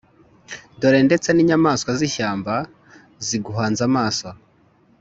Dore, ndetse n’inyamaswa z’ishyamba ziguhanze amaso,